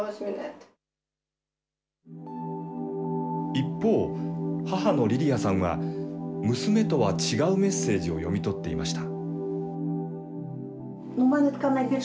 一方、母のリリアさんは、娘とは違うメッセージを読み取っていました。